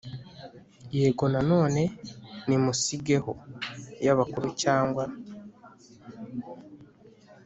yego na none « nimusigeho » y' abakuru cyangwa